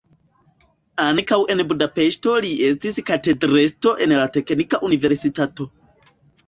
Ankaŭ en Budapeŝto li estis katedrestro en la teknika universitato.